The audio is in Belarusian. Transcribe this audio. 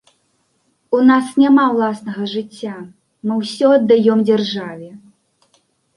У нас няма ўласнага жыцця, мы ўсё аддаём дзяржаве.